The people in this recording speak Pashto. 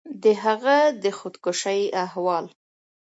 د هغه د خودکشي احوال